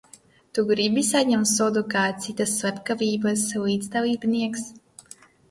Tu gribi saņemt sodu kā citas slepkavības līdzdalībnieks?